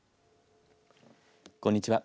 こんにちは。